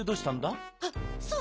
あっそうだ！